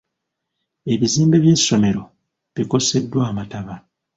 Ebizimbe by'essomero bikoseddwa amataba.